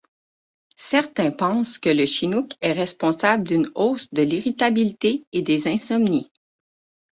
Certains pensent que le Chinook est responsable d'une hausse de l'irritabilité et des insomnies.